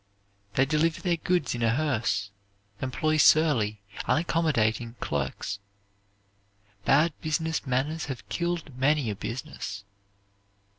They deliver their goods in a hearse, employ surly, unaccommodating clerks. Bad business manners have killed many a business.